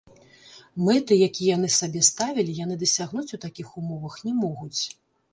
Мэты, якія яны сабе ставілі, яны дасягнуць у такіх умовах не могуць.